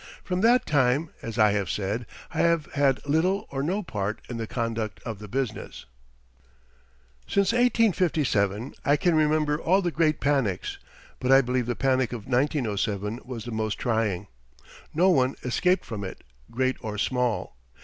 From that time, as I have said, I have had little or no part in the conduct of the business. Since 1857 I can remember all the great panics, but I believe the panic of 1907 was the most trying. No one escaped from it, great or small.